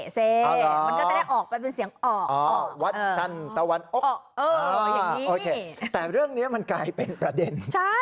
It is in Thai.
เซมันก็จะได้ออกไปเป็นเสียงออกวัดสั้นตะวันออกแต่เรื่องนี้มันกลายเป็นประเด็น